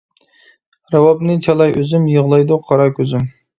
راۋابنى چالاي ئۆزۈم، يىغلايدۇ قارا كۆزۈم.